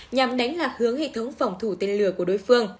nhằm đánh lạc hướng hệ thống phòng thủ tên lửa của đối phương